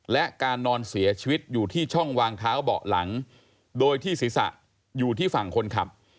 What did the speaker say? และการนอนเสียชีวิตอยู่ที่ช่องวางเท้าเบาะหลังโดยที่ศีรษะอยู่ที่ฝั่งคนขับ